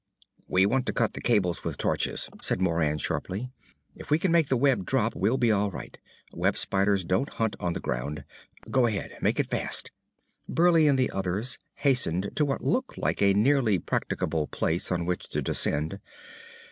"We want to cut the cables with torches," said Moran sharply. "If we can make the web drop we'll be all right. Webspiders don't hunt on the ground. Go ahead! Make it fast!" Burleigh and the others hastened to what looked like a nearly practicable place by which to descend.